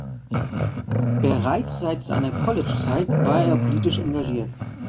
Bereits seit seiner Collegezeit war er politisch engagiert.